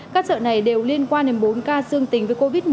các chợ này đều liên quan đến bốn ca dương tính với covid một mươi chín